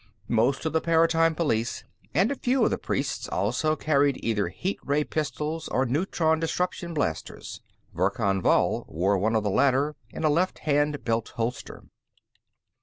Most of the Paratime Police and a few of the priests also carried either heat ray pistols or neutron disruption blasters; Verkan Vall wore one of the latter in a left hand belt holster.